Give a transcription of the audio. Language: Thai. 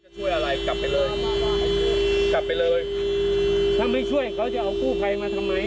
ช่วยอะไรกลับไปเลยกลับไปเลยถ้าไม่ช่วยเขาจะเอากู้ภัยมาทำไม